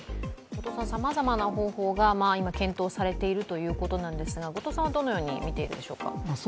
さまざまな方法が今検討されているということなんですが後藤さんはどのように見ていますか？